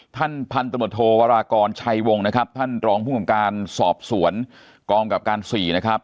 ท่านพันธมตโทวรากรชัยวงศ์นะครับท่านรองภูมิกับการสอบสวนกองกับการ๔นะครับ